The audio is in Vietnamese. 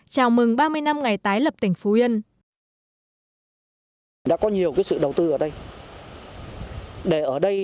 chào mừng ba mươi năm ngày tái lập tỉnh phú yên